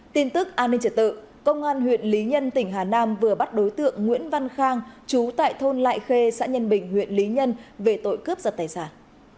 tin tức an ninh trật tự công an huyện lý nhân tỉnh hà nam vừa bắt đối tượng nguyễn văn khang chú tại thôn lại khê xã nhân bình huyện lý nhân về tội cướp giật tài sản